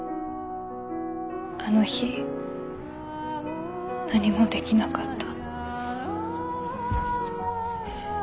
あの日何もできなかった。